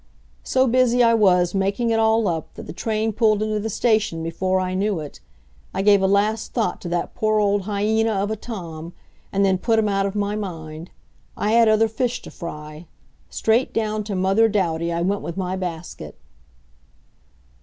So busy I was making it all up, that the train pulled into the station before I knew it. I gave a last thought to that poor old hyena of a Tom, and then put him out of my mind. I had other fish to fry. Straight down to Mother Douty I went with my basket.